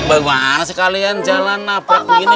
bagaimana sih kalian jalan nafret begini